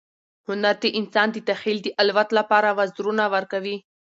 هنر د انسان د تخیل د الوت لپاره وزرونه ورکوي.